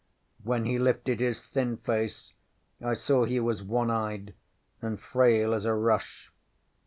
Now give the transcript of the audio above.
ŌĆØ When he lifted his thin face I saw he was one eyed, and frail as a rush.